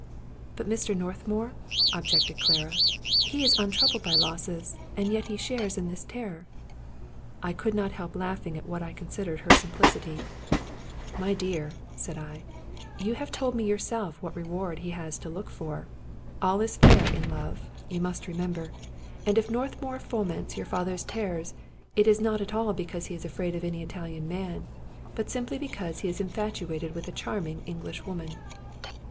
"But Mr. Northmour?" objected Clara. "He is un troubled by losses, and yet he shares in this terror." I could not help laughing at what I considered her sim plicity. 177 Scotch Mystery Stories "My dear," said I, "you have told me yourself what reward he has to look for. All is fair in love, you must remember; and if Northmour foments your father's ter rors, it is not at all because he is afraid of any Italian man, but simply because he is infatuated with a charming Eng lish woman."